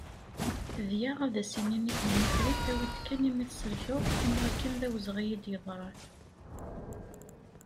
Dγa, ad as-inin i temnifrit awi-d kan imi tselkeḍ am wakken d awezγi i d-yeḍran.